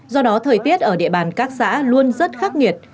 do đó thời tiết ở địa bàn các xã luôn rất khắc nghiệt